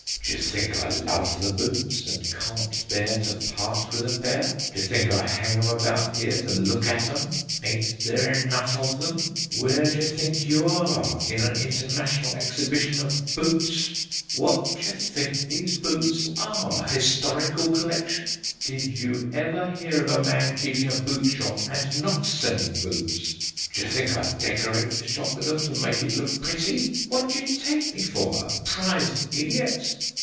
D'ye think I love the boots, and can't bear to part with a pair? D'ye think I hang 'em about here to look at 'em? Ain't there enough of 'em? Where d'ye think you are in an international exhibition of boots? What d'ye think these boots are a historical collection? Did you ever hear of a man keeping a boot shop and not selling boots? D'ye think I decorate the shop with 'em to make it look pretty? What d'ye take me for a prize idiot?"